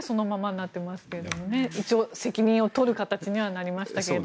一応、責任を取る形にはなりましたけど。